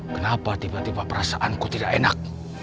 kenapa tiba tiba perasaanku tidak enak